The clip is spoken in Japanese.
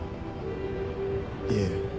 いえ。